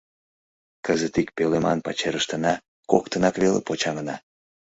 Кызыт ик пӧлеман пачерыштына коктынак веле почаҥына.